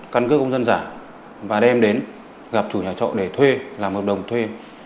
căn cơ công dân giả và đem đến gặp chủ nhà trọ để thuê làm hợp đồng thuê